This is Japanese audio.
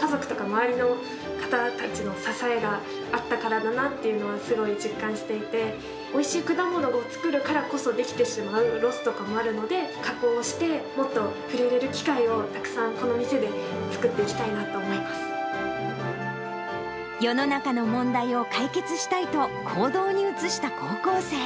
家族とか、周りの方たちの支えがあったからだなっていうのは、すごい実感していて、おいしい果物を作るからこそ、できてしまうロスとかもあるので、加工して、もっと触れられる機会をたくさんこの店で作っていきた世の中の問題を解決したいと、行動に移した高校生。